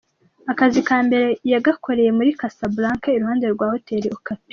Akazi ka mbere yagakoreye muri Casablanca iruhande rwa Hotel Okapi.